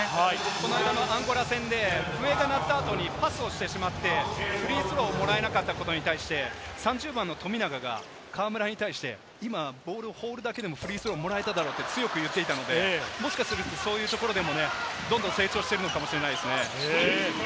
この間のアンゴラ戦で笛が鳴った後にパスをしてしまって、フリースローもらえなかったことに対して３０番の富永が河村に対して今ボールを放るだけでもフリースローもらえたんだよって強く言っていたので、もしかすると、そういうところでも成長しているのかもしれないです。